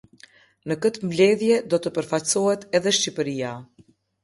Në këtë mbledhje do të përfaqësohet edhe Shqipëria.